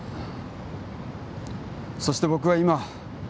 そして僕は今